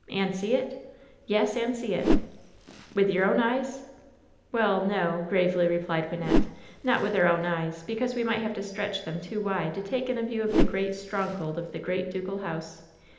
"And see it?" "Yes, and see it." With your own eyes ?" "Well, no," gravely replied Wynnette, "not with our own eyes, because we might have to stretch them too wide to take in a view of the great stronghold of the great ducal house.